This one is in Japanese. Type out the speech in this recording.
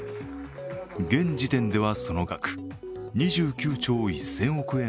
現時点ではその額２９兆１０００億円